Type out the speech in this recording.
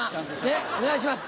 ねっお願いします。